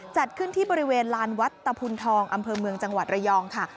จัดขึ้นที่บริเวณลานวัดตะพุนทองอำเภอเมืองจังหวัดระยองค่ะ